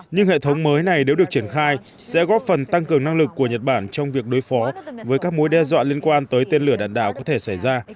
nhưng hệ thống mới này nếu được triển khai sẽ góp phần tăng cường năng lực của nhật bản trong việc đối phó với các mối đe dọa liên quan tới tên lửa đạn đạo có thể xảy ra